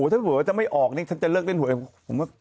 ถ้าหัวเหลือจะไม่ออกเนี้ยฉันจะเลิกเต้นหัวเองผมมึง